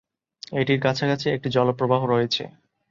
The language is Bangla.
এটির কাছাকাছি একটি জলপ্রবাহ রয়েছে।